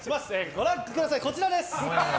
ご覧ください、こちらです！